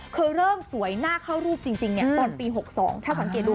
เคยเริ่มสวยหน้าเข้ารูปจริงตอนปี๖๒ถ้าสังเกตดู